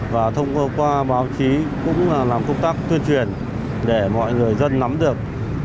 và thông qua báo chí cũng làm công tác tuyên truyền để mọi người dân nắm được